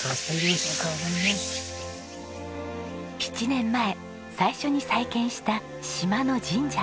７年前最初に再建した島の神社。